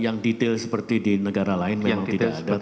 yang detail seperti di negara lain memang tidak ada